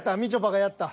やった。